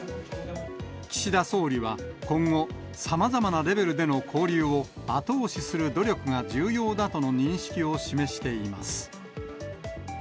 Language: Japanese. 岸田総理は今後、さまざまなレベルでの交流を後押しする努力が重要だとの認識を示しています。